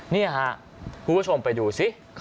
เนี่ยค่ะผู้ชมไปดูซิ